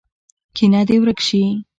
کینه دې ورک شي.